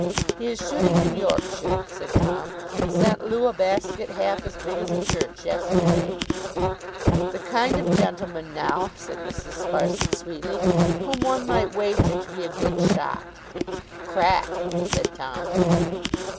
'He is shooting in Yorkshire,' said Tom. 'Sent Loo a basket half as big as a church, yesterday.' 'The kind of gentleman, now,' said Mrs. Sparsit, sweetly, 'whom one might wager to be a good shot!' 'Crack,' said Tom.